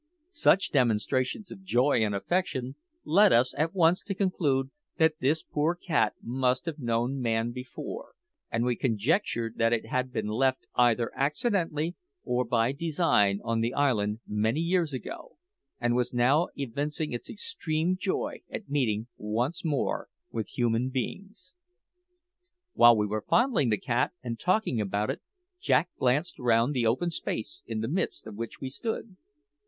Such demonstrations of joy and affection led us at once to conclude that this poor cat must have known man before, and we conjectured that it had been left either accidentally or by design on the island many years ago, and was now evincing its extreme joy at meeting once more with human beings. While we were fondling the cat and talking about it, Jack glanced round the open space in the midst of which we stood.